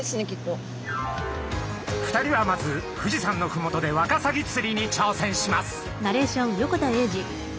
２人はまず富士山のふもとでワカサギ釣りに挑戦します。